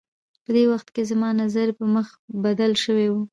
په دې وخت کې زما نظر یو مخ بدل شوی و.